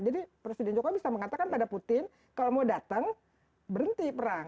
jadi presiden jokowi bisa mengatakan pada putin kalau mau datang berhenti perang